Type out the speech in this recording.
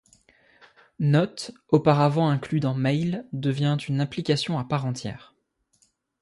Notes, auparavant inclus dans Mail, devient une application à part entière.